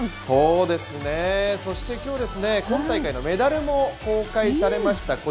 そうですね、そして今日、今大会のメダルも公開されました。